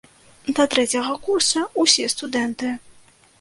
Да трэцяга курса ўсе студэнты.